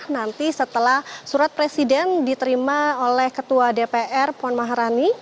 nanti setelah surat presiden diterima oleh ketua dpr puan maharani